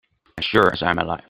As sure as I am alive.